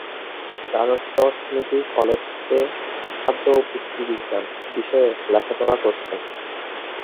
গার্হস্থ্য অর্থনীতি কলেজ থেকে 'খাদ্য ও পুষ্টি বিজ্ঞান' বিষয়ে লেখাপড়া করেছেন।